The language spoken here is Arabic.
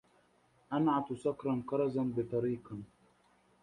أنعت صقرا كرزا بطريقا